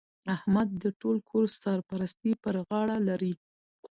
احمد د ټول کور سرپرستي پر غاړه لري.